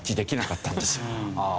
ああ。